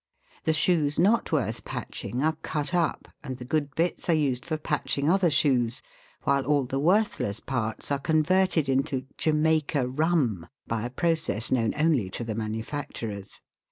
The shoes not worth patching are cut up, and the good bits are used for patching other shoes, while all the worthless parts are converted into " Jamaica rum," by a process known only to the manufacturers.